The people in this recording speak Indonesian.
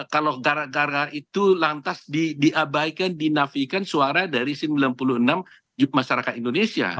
kalau gara gara itu lantas diabaikan dinafikan suara dari sembilan puluh enam masyarakat indonesia